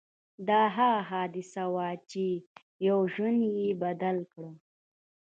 دا هغه حادثه وه چې يو ژوند يې بدل کړ.